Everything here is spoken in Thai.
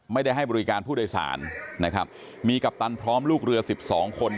ให้บริการผู้โดยสารนะครับมีกัปตันพร้อมลูกเรือสิบสองคน